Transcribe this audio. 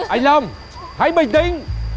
anh long hãy bình tĩnh